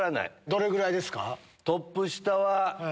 どれぐらいですか？